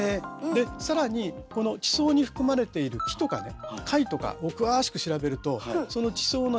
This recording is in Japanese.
で更にこの地層に含まれている木とかね貝とかをくわしく調べるとその地層の年代がわかる。